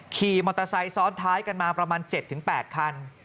ขี่มอเตอร์ไซค์ซ้อนท้ายกันมาประมาณ๗๘คัน